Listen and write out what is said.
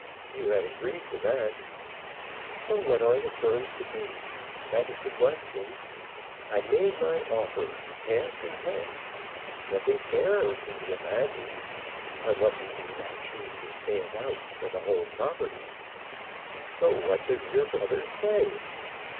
"You had agreed to that." "But what are the terms to be? that is the question. I made my offer: half and half. Nothing fairer can be imagined, unless, indeed, I choose to stand out for the whole property." "But what does your brother say?"